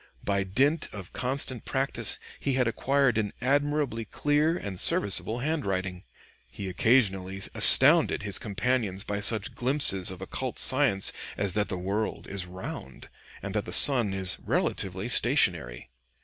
By dint of constant practice he had acquired an admirably clear and serviceable handwriting. He occasionally astounded his companions by such glimpses of occult science as that the world is round and that the sun is relatively stationary.